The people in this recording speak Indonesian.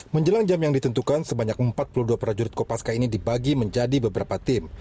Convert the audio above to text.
menjelang jam yang ditentukan sebanyak empat puluh dua prajurit kopaska ini dibagi menjadi beberapa tim